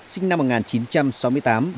sinh năm một nghìn chín trăm sáu mươi tám